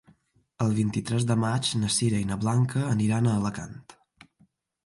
El vint-i-tres de maig na Sira i na Blanca aniran a Alacant.